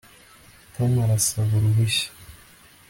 Tom arasaba uruhushya